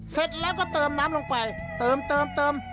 เสร็จแล้วก็เติมน้ำลงไปเติม